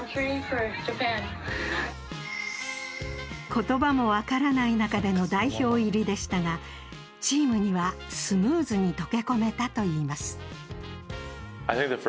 言葉もわからない中での代表入りでしたがチームにはスムーズに溶け込めたといいます。